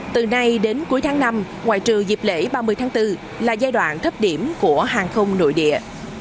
từ nay đến cuối tháng năm ngoại trừ dịp lễ ba mươi tháng bốn là giai đoạn thấp điểm của hàng không nội địa